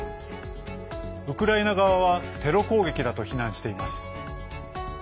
ウクライナ側はテロ攻撃だと非難しています。